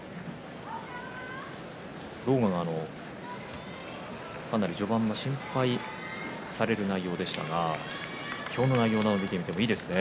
狼雅は序盤、かなり心配される内容でしたが今日の内容などを見ていてもそうですね。